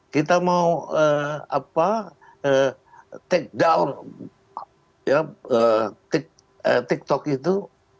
kita mau eh apa eh take down ya eh tiktok itu